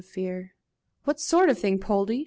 "What sort of thing, Poldie?"